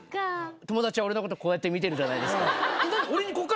友達は俺のことこうやって見てるじゃないですか。